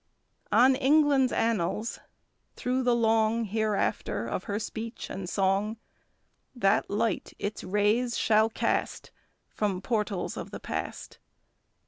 On England's annals, through the long Hereafter of her speech and song, That light its rays shall cast From portals of the past.